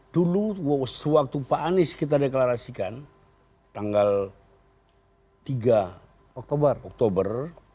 dulu waktu pak anis kita deklarasikan tanggal tiga oktober